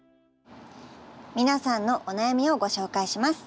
皆さんのお悩みをご紹介します。